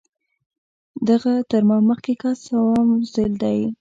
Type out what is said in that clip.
دغه تر ما مخکې کس څووم ځل دی.